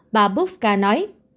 bà bufka nói